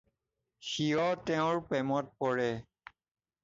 শিৱ তেওঁৰ প্ৰেমত পৰে।